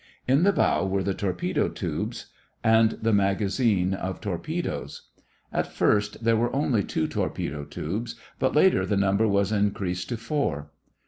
In the bow were the torpedo tubes and the magazine of torpedoes. At first there were only two torpedo tubes, but later the number was increased to four.